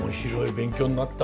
勉強になった。